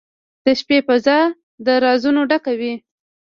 • د شپې فضاء د رازونو ډکه وي.